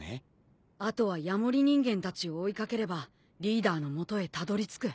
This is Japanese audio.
あとはヤモリ人間たちを追い掛ければリーダーの元へたどりつく。